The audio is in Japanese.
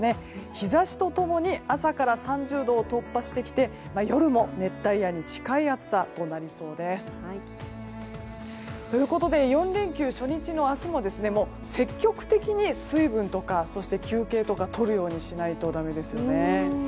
日差しと共に朝から３０度を突破してきて夜も熱帯夜に近い暑さとなりそうです。ということで４連休初日の明日は積極的に水分とかそして休憩とかとるようにしないとだめですね。